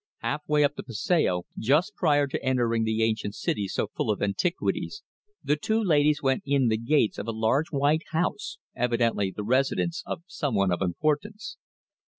Half way up the Passeo, just prior to entering the ancient city so full of antiquities, the two ladies went in the gates of a large white house, evidently the residence of someone of importance.